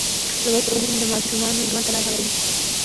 لوستې میندې د ماشوم روغ ژوند ته لار هواروي.